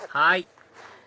はい！